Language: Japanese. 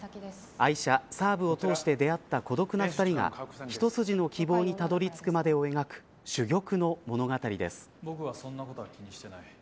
愛車サーブを通して出会った孤独な２人が一筋の希望にたどり着くまでを描く珠玉の物語です。